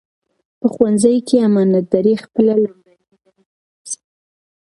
په ښوونځي کې امانتداري خپله لومړنۍ دنده وګرځوئ.